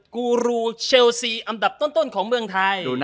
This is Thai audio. กูรูเชลซีอันดับต้นของเมืองไทย